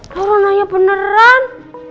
lo orang nanya beneran